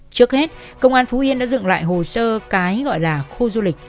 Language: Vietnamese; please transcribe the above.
trước hết công an phú yên đã dựng lại hồ sơ cái gọi là khu du lịch sinh thái